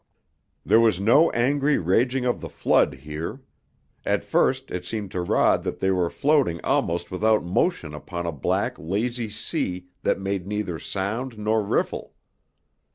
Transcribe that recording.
There was no angry raging of the flood here; at first it seemed to Rod that they were floating almost without motion upon a black, lazy sea that made neither sound nor riffle.